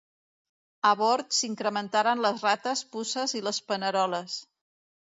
A bord s'incrementaren les rates, puces i les paneroles.